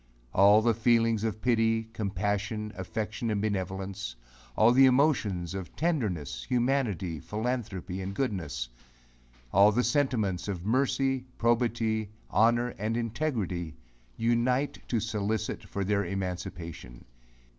All the feelings of pity, compassion, affection, and benevolence all the emotions of tenderness, humanity, philanthropy, and goodness all the sentiments of mercy, probity, honour, and integrity, unite to solicit for their emancipation.